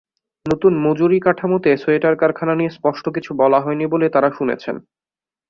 নতুন মজুরিকাঠামোতে সোয়েটার কারখানা নিয়ে স্পষ্ট কিছু বলা হয়নি বলে তাঁরা শুনেছেন।